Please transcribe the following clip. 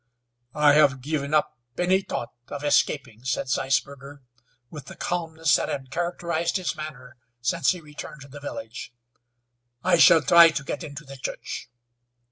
"I have given up any thought of escaping," said Zeisberger, with the calmness that had characterized his manner since he returned to the village. "I shall try to get into the church."